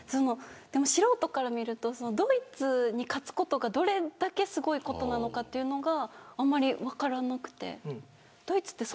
でも素人から見るとドイツに勝つことがどれだけすごいことなのかというのがあまり分からなくてドイツって